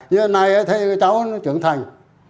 giờ này thấy cháu trưởng thành